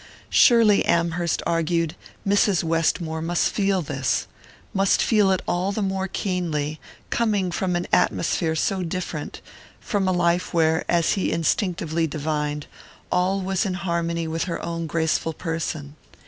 Surely, Amherst argued, Mrs. Westmore must feel this; must feel it all the more keenly, coming from an atmosphere so different, from a life where, as he instinctively divined, all was in harmony with her own graceful person.